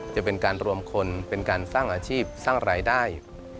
จะเป็นการรวมคนเป็นการสร้างอาชีพสร้างรายได้